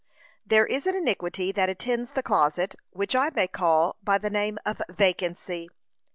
There is an iniquity that attends the closet, which I may call by the name of vacancy.